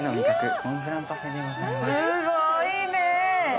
すごいね。